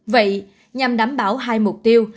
vậy nhằm đảm bảo hai mục tiêu